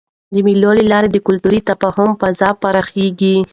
د مېلو له لاري د کلتوري تفاهم فضا پراخېږي.